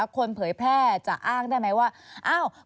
คนเผยแพร่จะอ้างทีก็อ้าว